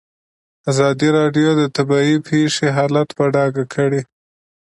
ازادي راډیو د طبیعي پېښې حالت په ډاګه کړی.